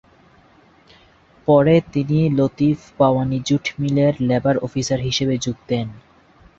পরে তিনি লতিফ বাওয়ানী জুট মিলে লেবার অফিসার হিসেবে যোগ দেন।